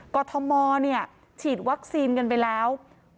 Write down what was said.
ก็ท้อมมอร์ฉีดวัคซีนกันไปแล้ว๖๑๖๗